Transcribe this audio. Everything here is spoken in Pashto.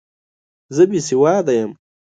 زه بې سواده یم!